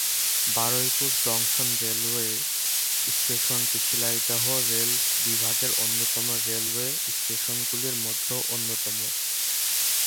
Baruipur junction railway স্টেশনটি Sealdah rail বিভাগের ব্যস্ততম রেলওয়ে স্টেশনগুলির মধ্যে অন্যতম।